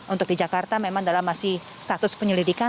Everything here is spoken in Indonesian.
untuk di jakarta memang dalam masih status penyelidikan